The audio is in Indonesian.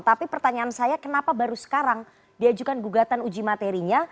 tapi pertanyaan saya kenapa baru sekarang diajukan gugatan uji materinya